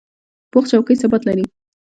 پوخ چوکۍ ثبات لري